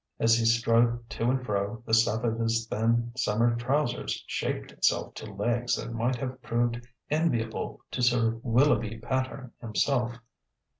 As he strode to and fro the stuff of his thin summer trousers shaped itself to legs that might have proved enviable to Sir Willoughby Patterne himself.